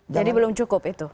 jadi belum cukup itu